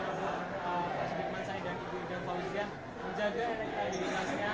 bagaimana penyelesaian cara pendidik masa idang itu dan kalau tidak menjaga kualitasnya